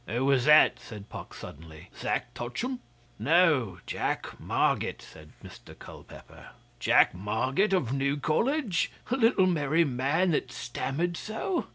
'Who was that?' said Puck suddenly. 'Zack Tutshom?' 'No, Jack Marget,' said Mr Culpeper. 'Jack Marget of New College? The little merry man that stammered so?